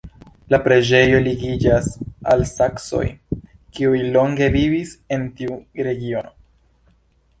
La preĝejo ligiĝas al saksoj, kiuj longe vivis en tiu regiono.